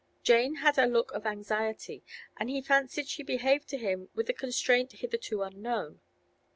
Jane had a look of anxiety, and he fancied she behaved to him with a constraint hitherto unknown.